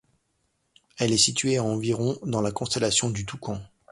Elle est située à environ dans la constellation du Toucan.